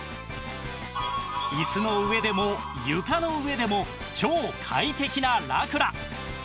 椅子の上でも床の上でも超快適なラクラ